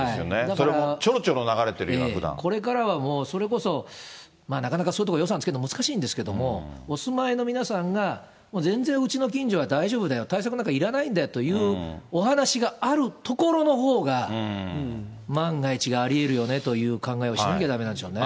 それもちょろちょろ流れてるようこれからはもうそれこそ、なかなかそういう所、予算つけるの難しいんですけれども、お住まいの皆さんが、全然うちの近所は大丈夫だよ、対策なんかいらないんだよというお話があるところのほうが、万が一がありえるよねという考えをしなきゃだめなんでしょうね。